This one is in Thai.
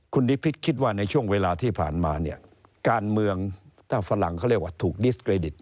คุณนิพิษคิดว่าในช่วงเวลาที่ผ่านมาเนี่ยการเมืองถ้าฝรั่งเขาเรียกว่าถูกดิสเครดิต